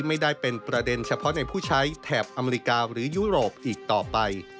ไม่ได้เป็นประเด็นเฉพาะในผู้ใช้แถบอเมริกาหรือยุโรปอีกต่อไป